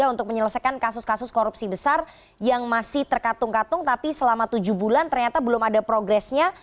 untuk menyelesaikan kasus kasus korupsi besar yang masih terkatung katung tapi selama tujuh bulan ternyata belum ada progresnya